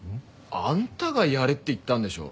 あんたがやれって言ったんでしょ？